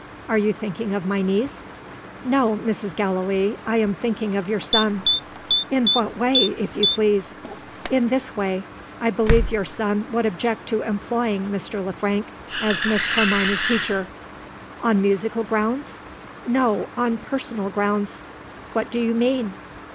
"Are you thinking of my niece?" "No, Mrs. Gallilee. I am thinking of your son." "In what way, if you please?" "In this way. I believe your son would object to employing Mr. Le Frank as Miss Carmina's teacher." "On musical grounds?" "No; on personal grounds." "What do you mean?"